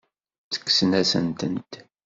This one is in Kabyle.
Tekksem-asent-tent.